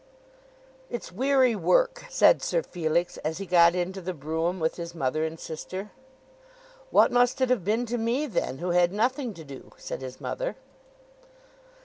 "It's weary work," said Sir Felix as he got into the brougham with his mother and sister. "What must it have been to me then, who had nothing to do?" said his mother.